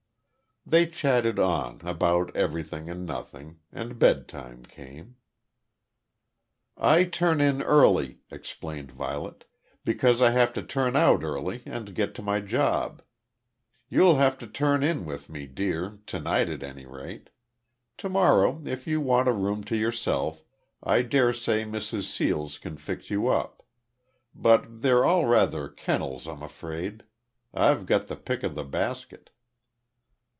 They chatted on, about everything and nothing, and bedtime came. "I turn in early," explained Violet, "because I have to turn out early, and get to my job. You'll have to turn in with me, dear, to night at any rate. To morrow, if you want a room to yourself, I dare say Mrs Seals can fix you up. But they're all rather kennels I'm afraid. I've got the pick of the basket."